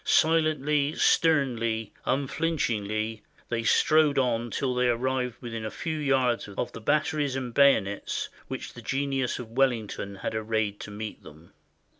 Silently, sternly, unflinchingly, they strode on till they arrived within a few yards of the batteries and bayonets which the genius of Wellington had arrayed to meet them.